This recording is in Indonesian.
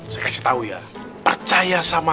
saya kasih tau ya